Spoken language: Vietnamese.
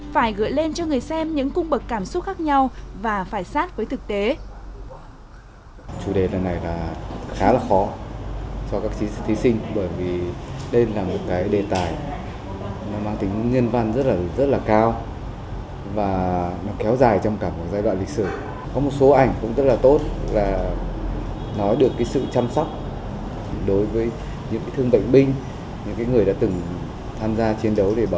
phải gửi lên cho người xem những cung bậc cảm xúc khác nhau và phải sát với thực tế